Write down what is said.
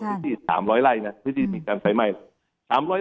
เราเปิดทฤษฐี๓๐๐ไร่นะทฤษฐีปีการไกลม่ายน